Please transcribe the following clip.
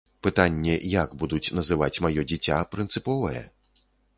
Пытанне, як будуць называць маё дзіця, прынцыповае.